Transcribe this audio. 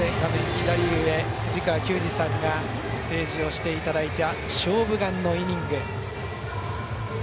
左上藤川球児さんが提示をしていただいた「勝負眼」のイニング。